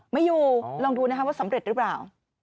ไม่อยู่ลองดูนะคะว่าสำเร็จหรือเปล่า